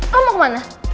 lo mau kemana